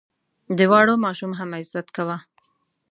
د واړه ماشوم هم عزت کوه.